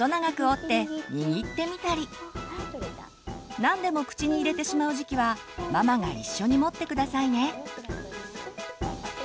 何でも口に入れてしまう時期はママが一緒に持って下さいね。